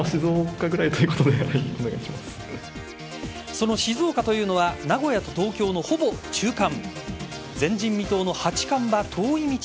その静岡というのは名古屋と東京のほぼ中間。